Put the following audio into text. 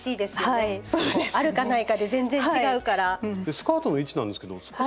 スカートの位置なんですけど少し。